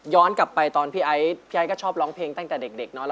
ย้อนกลับไปตอนพี่ไอท์ก็ชอบร้องเพลงตั้งแต่เด็ก